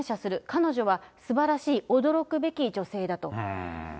彼女はすばらしい驚くべき女性だと。